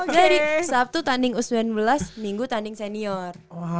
jadi sabtu tanding usman belas minggu tanding senior